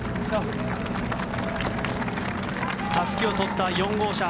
たすきを取った４号車。